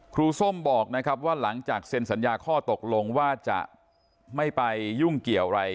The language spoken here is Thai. ส้มบอกนะครับว่าหลังจากเซ็นสัญญาข้อตกลงว่าจะไม่ไปยุ่งเกี่ยวอะไร